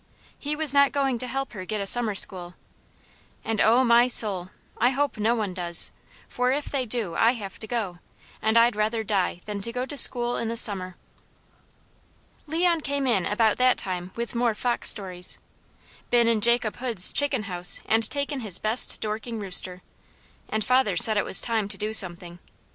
He was not going to help her get a summer school, and O my soul! I hope no one does, for if they do, I have to go, and I'd rather die than go to school in the summer. Leon came in about that time with more fox stories. Been in Jacob Hood's chicken house and taken his best Dorking rooster, and father said it was time to do something.